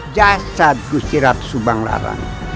jasad kuciratu subanglarang